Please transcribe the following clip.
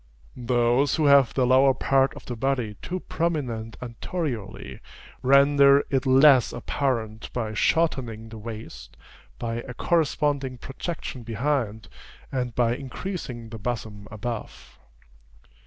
Those who have the lower part of the body too prominent anteriorly, render it less apparent by shortening the waist, by a corresponding projection behind, and by increasing the bosom above.